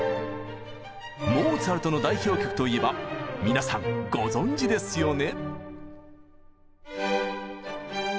モーツァルトの代表曲といえば皆さんご存じですよね。